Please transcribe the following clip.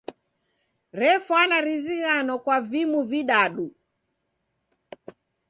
Refwana rizighano kwa vimu vidadu.